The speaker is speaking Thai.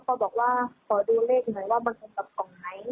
ก็บอกว่าดูเลขไงมันเป็นต่อใหแล้วที่ของไหน